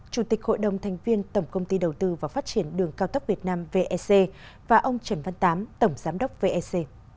chủ tịch hội đồng thành viên tổng công ty đầu tư và phát triển đường cao tốc việt nam vec và ông trần văn tám tổng giám đốc vec